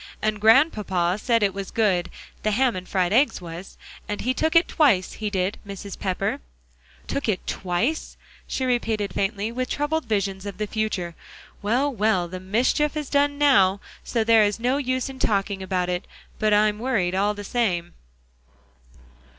And Grandpapa said it was good the ham and fried eggs was and he took it twice; he did, Mrs. Pepper." "Took it twice?" she repeated, faintly, with troubled visions of the future. "Well, well, the mischief is done now, so there is no use in talking about it; but I'm worried, all the same."